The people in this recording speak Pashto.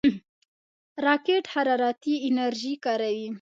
راکټ حرارتي انرژي کاروي